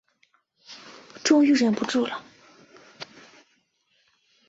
终于忍不住了